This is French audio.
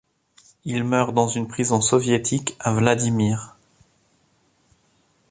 Il meurt dans une prison soviétique à Vladimir.